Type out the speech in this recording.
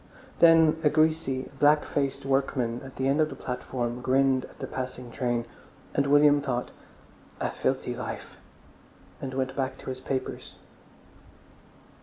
Then a greasy, black faced workman at the end of the platform grinned at the passing train. And William thought, "A filthy life!" and went back to his papers.